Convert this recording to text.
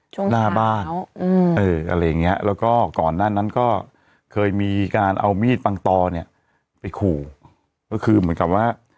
ช่วงหน้าบ้านอะไรอย่างเงี้ยแล้วก็ก่อนหน้านั้นก็เคยมีการเอามีดปังตอเนี่ยไปขู่ก็คือเหมือนกับว่า